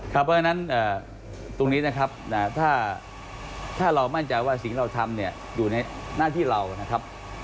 เพราะฉะนั้นตรงนี้นะครับถ้าเรามั่นใจว่าสิ่งเราทำเนี่ยอยู่ในหน้าที่เรานะครับ